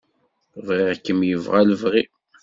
Bɣiɣ-kem yebɣa lebɣi.